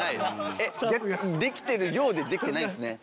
⁉えっできてるようでできてないんですね。